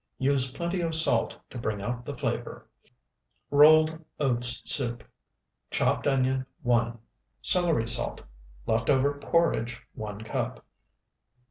Use plenty of salt to bring out the flavor. ROLLED OATS SOUP Chopped onion, 1. Celery salt. Left over porridge, 1 cup.